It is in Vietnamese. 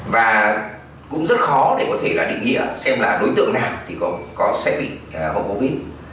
và cũng rất khó để có thể là định nghĩa xem là đối tượng nào thì có sẽ bị hậu covid